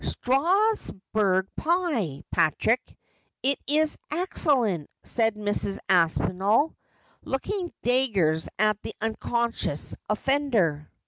'Strasburg pie, Patrick. It is excellent,' said Mrs. Aspinall, looking daggers at the unconscious offender.